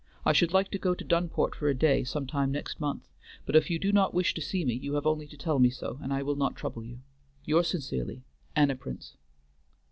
I should like to go to Dunport for a day some time next month; but if you do not wish to see me you have only to tell me so, and I will not trouble you. Yours sincerely, ANNA PRINCE.